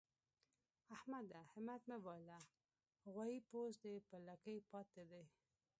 احمده! همت مه بايله؛ غويی پوست دی په لکۍ پاته دی.